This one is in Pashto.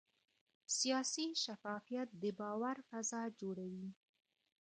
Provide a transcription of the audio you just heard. سیاسي شفافیت د باور فضا جوړوي